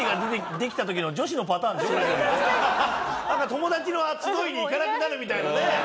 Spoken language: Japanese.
友達の集いに行かなくなるみたいなね。